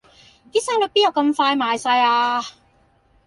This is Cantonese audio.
啲沙律邊有咁快賣晒呀